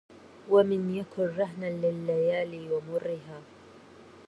ومن يك رهنا لليالي ومرها